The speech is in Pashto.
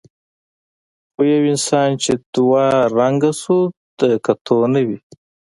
خو یو انسان چې دوه رنګه شو د کتو نه وي.